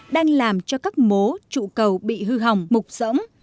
đang làm cho các mố trụ cầu bị hư hỏng mục rỗng